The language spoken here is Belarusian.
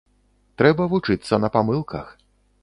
Трэба вучыцца на памылках.